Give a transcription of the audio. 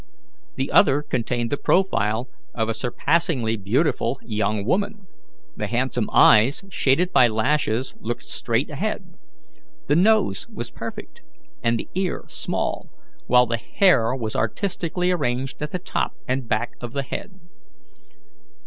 The other contained the profile of a surpassingly beautiful young woman. The handsome eyes, shaded by lashes, looked straight ahead. The nose was perfect, and the ear small, while the hair was artistically arranged at the top and back of the head.